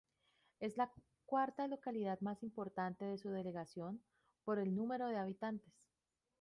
Es la cuarta localidad más importante en su delegación, por el número de habitantes.